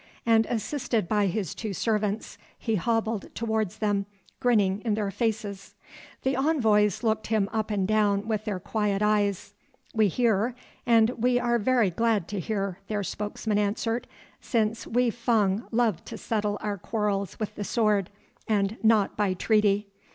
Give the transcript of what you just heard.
and assisted by his two servants he hobbled towards them, grinning in their faces. The envoys looked him up and down with their quiet eyes. "We hear and we are very glad to hear," their spokesman answered, "since we Fung love to settle our quarrels with the sword and not by treaty.